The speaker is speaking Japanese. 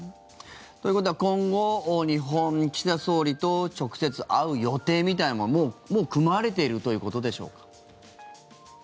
ということは今後日本、岸田総理と直接会う予定みたいなのももう組まれているということでしょうか？